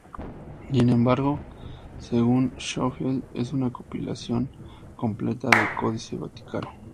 Sin embargo, según Schofield, es una compilación completa del Códice Vaticano.